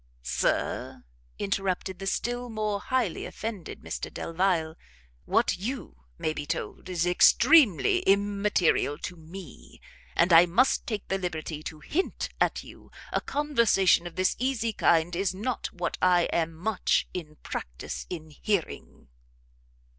"Sir," interrupted the still more highly offended Mr Delvile, "what you may be told is extremely immaterial to me; and I must take the liberty to hint to you, a conversation of this easy kind is not what I am much in practice in hearing."